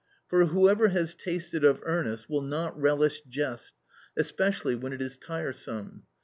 For whoever has tasted of earnest will not relish jest, especially when it is tiresome.